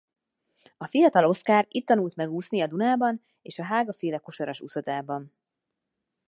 A fiatal Oszkár itt tanult meg úszni a Dunában és a Hága-féle kosaras uszodában.